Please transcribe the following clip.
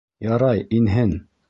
Ярай, инһен!